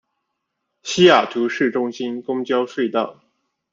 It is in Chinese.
西雅图市中心公交隧道。